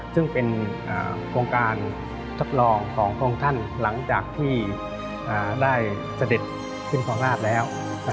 ซึ่งเป็นโครงการทดลองของพระองค์ท่านหลังจากที่ได้เสด็จขึ้นครองราชแล้ว